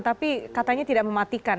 tapi katanya tidak mematikan